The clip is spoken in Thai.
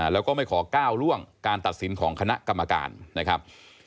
แล้วก็ไม่ขอก้าวล่วงการตัดสินของคณะกรรมการนะครับ